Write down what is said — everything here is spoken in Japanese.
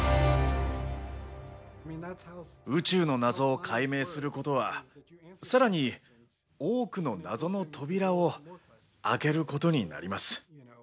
宇宙の謎を解明することはさらに多くの謎の扉を開けることになります。